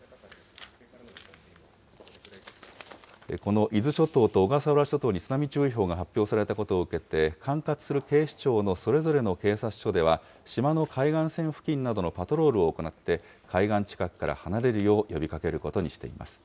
この伊豆諸島と小笠原諸島に津波注意報が発表されたことを受けて、管轄する警視庁のそれぞれの警察署では、島の海岸線付近などのパトロールを行って、海岸近くから離れるよう呼びかけることにしています。